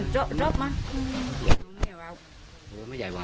เจ้าเจ้าจะเป็นไปได้ไหม